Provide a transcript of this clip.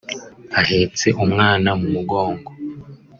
ahetse umwana mu mugongo